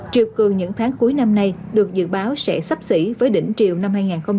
triều cường những tháng cuối năm nay được dự báo sẽ sắp xỉ với đỉnh triều năm hai nghìn hai mươi